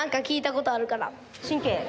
神経？